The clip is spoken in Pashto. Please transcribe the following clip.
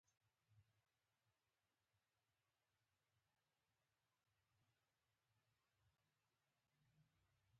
افغانستان د دغه ستر هندوکش کوربه دی.